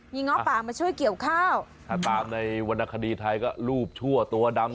ง้อป่ามาช่วยเกี่ยวข้าวถ้าตามในวรรณคดีไทยก็รูปชั่วตัวดำ